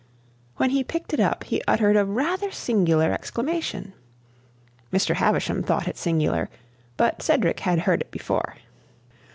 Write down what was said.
When he picked it up, he uttered a rather singular exclamation. Mr. Havisham thought it singular, but Cedric had heard it before.